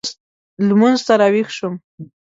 لمونځ ته راوېښ شوم.